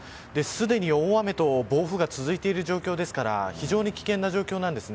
すでに大雨と暴風が続いている状況ですから非常に危険な状況なんです。